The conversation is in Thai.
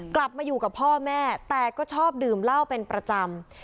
กลับมาอยู่กับพ่อแม่แต่ก็ชอบดื่มเหล้าเป็นประจำ